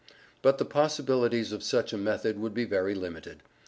But the possibilities of such a method would be very limited.